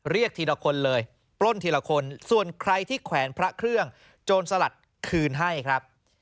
เรียกทีละคนเลยปล้นทีละคนส่วนใครที่แขวนพระเครื่องโจรสลัดคืนให้ครับ